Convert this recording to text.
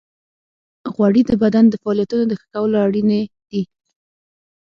غوړې د بدن د فعالیتونو د ښه کولو لپاره اړینې دي.